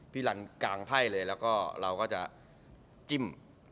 พี่ฟันศักดิ์กลางไพ้เลยแล้วเราก็จะจิ้ม